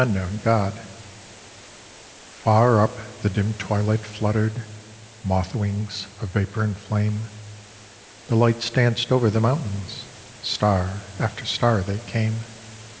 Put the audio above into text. JSTft* FAR up the dim twilight fluttered Moth wings of vapour and flame : The lights danced over the mountains, Star after star they came.